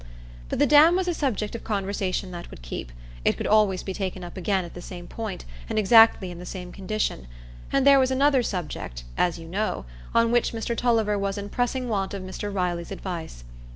But the dam was a subject of conversation that would keep; it could always be taken up again at the same point, and exactly in the same condition; and there was another subject, as you know, on which Mr Tulliver was in pressing want of Mr Riley's advice.